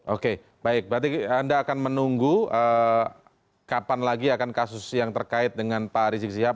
oke baik berarti anda akan menunggu kapan lagi akan kasus yang terkait dengan pak rizik sihab